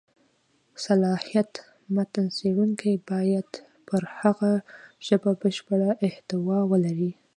صلاحیت: متن څېړونکی باید پر هغه ژبه بشېړه احتوا ولري.